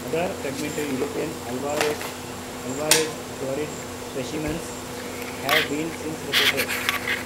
Other fragmentary European alvarezsaurid specimens have since been reported.